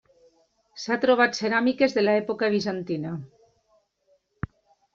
S'ha trobat ceràmiques de l'època bizantina.